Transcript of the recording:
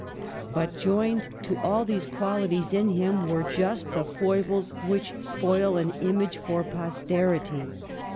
But joined to all these qualities in him were just the foibles which spoil an image for posterity.